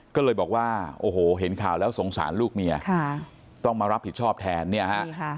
ก็เลยบอกว่าโอ้โหเห็นข่าวแล้วสงสารลูกเมียต้องมารับผิดชอบแทนเนี่ยฮะ